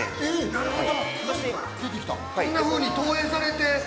◆なるほど。